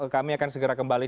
kami akan segera kembali